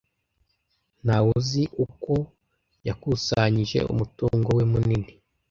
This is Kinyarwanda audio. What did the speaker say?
Ntawe uzi uko yakusanyije umutungo we munini.